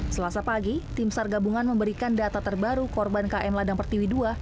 selasa pagi tim sar gabungan memberikan data terbaru korban km ladang pertiwi ii